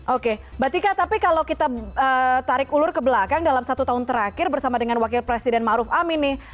oke mbak tika tapi kalau kita tarik ulur ke belakang dalam satu tahun terakhir bersama dengan wakil presiden ⁇ maruf ⁇ amin nih